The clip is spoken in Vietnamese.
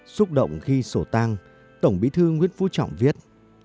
xúc động khi sổ tang tổng bí thư nguyễn phú trọng viết